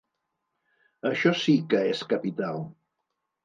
Això sí que és capital.